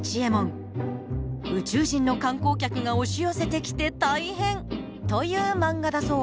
宇宙人の観光客が押し寄せてきて大変！という漫画だそう。